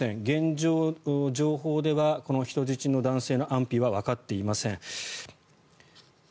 現状、情報ではこの人質の男性の安否はわかっていません。